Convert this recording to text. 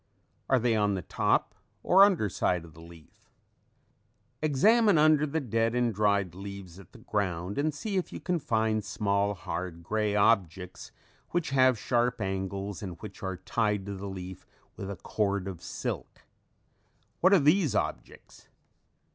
Are they on the top or under side of the leaf? Examine under the dead and dried leaves at the ground and see if you can find small, hard, gray objects which have sharp angles and which are tied to the leaf with a cord of silk. What are these objects?